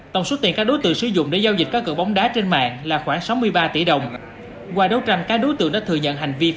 tổng số tiền cá đối tượng sử dụng để giao dịch cá cược bóng đá